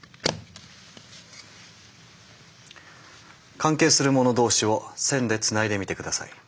関係する者同士を線でつないでみて下さい。